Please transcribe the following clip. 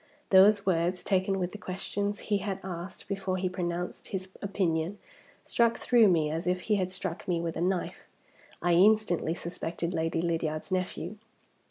Those words, taken with the questions he had asked before he pronounced his opinion, struck through me as if he had struck me with a knife. I instantly suspected Lady Lydiard's nephew.